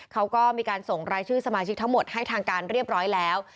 เขาก็มีการส่งรายชื่อสมาชิกทั้งหมดให้ทางการเรียบร้อยแล้ว